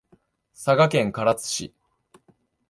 佐賀県唐津市